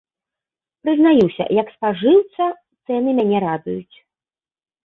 Прызнаюся, як спажыўца цэны мяне радуюць.